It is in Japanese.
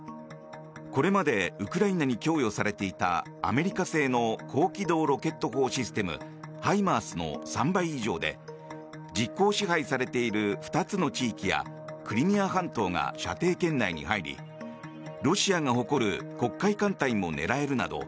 これまでウクライナに供与されていたアメリカ製の高機動ロケット砲システムＨＩＭＡＲＳの３倍以上で実行支配されている２つの地域やクリミア半島が射程圏内に入りロシアが誇る黒海艦隊も狙えるなど